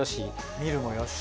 見るもよし。